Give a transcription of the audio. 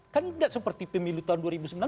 kan tidak seperti pemilu tahun dua ribu sembilan belas